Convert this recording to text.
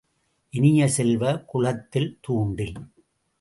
இனிய செல்வ, குளத்தில் தூண்டில்!